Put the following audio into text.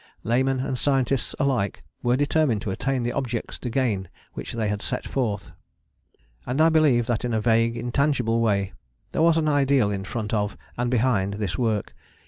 Laymen and scientists alike were determined to attain the objects to gain which they had set forth. And I believe that in a vague intangible way there was an ideal in front of and behind this work.